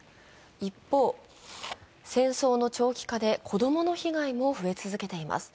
一方、戦争の長期化で子供の被害も増え続けています。